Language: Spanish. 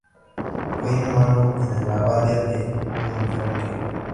Fue inhumado en la abadía de Dunfermline.